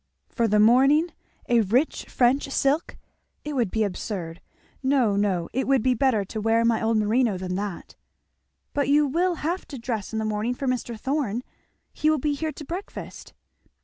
"For the morning? A rich French silk? It would be absurd. No, no, it would be better to wear my old merino than that." "But you will have to dress in the morning for Mr. Thorn? he will be here to breakfast."